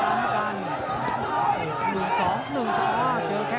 เผ่าฝั่งโขงหมดยก๒